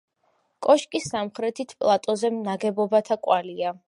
კოშკის სამხრეთით პლატოზე ნაგებობათა კვალია.